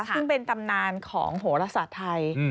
ซึ่งเป็นตำนานของโหรศาสตร์ไทย